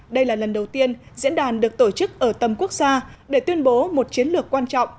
đây là lần đầu tiên diễn đàn được tổ chức ở tầm quốc gia để tuyên bố một chiến lược quan trọng